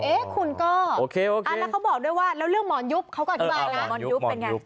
เอ๊ะคุณก็แล้วเขาบอกด้วยว่าแล้วเรื่องหมอนยุบเขาก็อธิบายนะหมอนยุบเป็นไง